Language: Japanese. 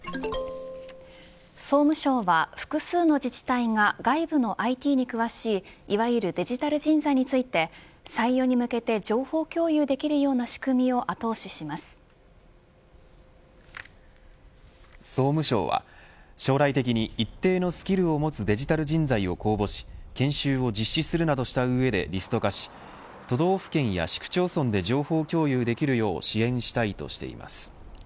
総務省は複数の自治体が外部のＩＴに詳しいいわゆるデジタル人材について採用に向けて情報共有できるような総務省は将来的に一定のスキルを持つデジタル人材を公募し研修を実施するなどした上でリスト化し都道府県や市区町村で情報共有できるよう支援したいとしています。